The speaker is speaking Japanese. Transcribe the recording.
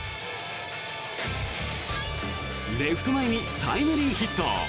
レフト前にタイムリーヒット。